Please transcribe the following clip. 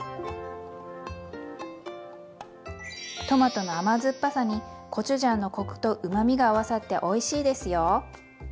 トマトの甘酸っぱさにコチュジャンのコクとうまみが合わさっておいしいですよ。